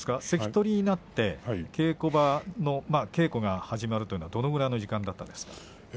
関取になって稽古場の稽古が始まるというのはどのくらいの時間だったんですか。